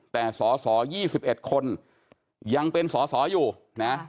แต่สอ๒๑คนยังเป็นสออยู่นะครับ